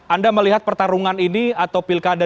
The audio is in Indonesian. anda melihat pertarungan ini atau pilkada